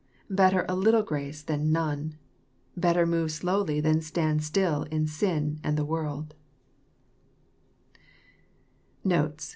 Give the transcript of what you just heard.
Better a little grace than none I Better move slowly than stand still in sin and the world I Notes.